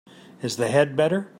Is the head better?